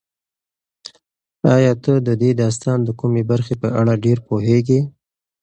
ایا ته د دې داستان د کومې برخې په اړه ډېر پوهېږې؟